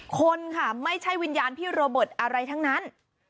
คนค่ะไม่ใช่วิญญาณพี่โรเบิร์ตอะไรทั้งนั้น